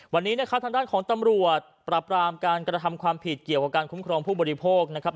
วันนี้นะครับทางด้านของตำรวจปราบรามการกระทำความผิดเกี่ยวกับการคุ้มครองผู้บริโภคนะครับ